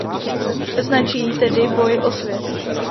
Značí tedy "boj o svět".